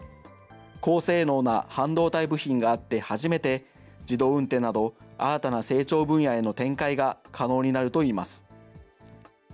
高性能な半導体部品があって初めて自動運転など、新たな成長分野への展開が可能になるといいます。